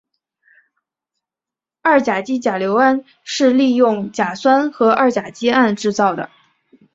二甲基甲醯胺是利用甲酸和二甲基胺制造的。